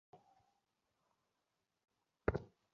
সুতরাং আমাদের জীবনসমস্যা ক্রমশ বৃহত্তর আকার ধারণ করিতেছে।